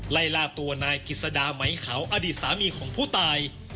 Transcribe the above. ไล่ล่าตัวนายกิจสดาไหมเขาอดีตสามีของผู้ตาย